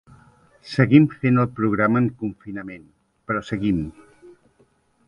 Seguim fent el programa en confinament… però seguim!